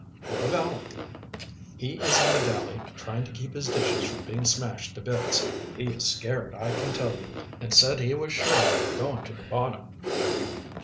"What of Aleck?" "He is in the galley, trying to keep his dishes from being smashed to bits. He is scared, I can tell you, and said he was sure we were going to the bottom."